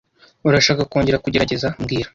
Urashaka kongera kugerageza mbwira